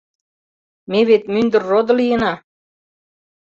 Ме вет мӱндыр родо лийына.